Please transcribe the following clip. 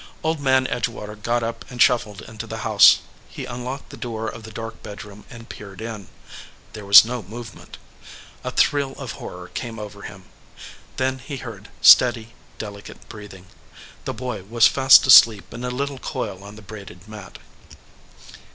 Old Man Edgewater got up and shuffled into the 114 THE FLOWERING BUSH house. He unlocked the door of the dark bedroom and peered in. There was no movement. A thrill of horror came over him. Then he heard steady, delicate breathing. The boy was fast asleep in a little coil on the braided mat.